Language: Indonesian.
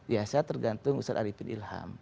ya saya tergantung ustadz arifin ilham